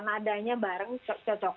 nadanya bareng cocok